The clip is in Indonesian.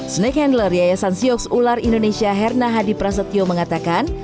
snack handler yayasan siox ular indonesia herna hadi prasetyo mengatakan